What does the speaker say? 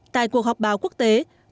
tại cuộc họp báo quốc tế